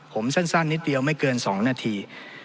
ผมสั้นนิดเดียวไม่เกิน๒นาที